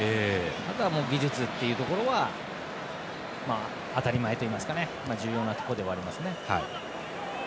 あとは技術というところは当たり前といいますか重要なところではありますね。